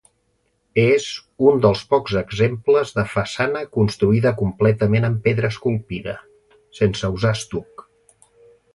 És un dels pocs exemples de façana construïda completament en pedra esculpida, sense usar estuc.